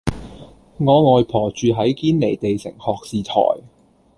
我外婆住喺堅尼地城學士臺